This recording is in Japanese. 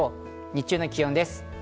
日中の気温です。